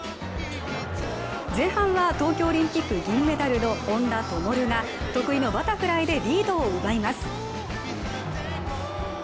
前半は東京オリンピック銀メダルの本多灯が得意のバタフライでリードを奪います。